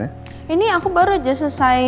jam berapa selesai ngajar ya